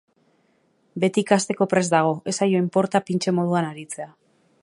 Beti ikasteko prest dago, ez zaio inporta pintxe moduan aritzea.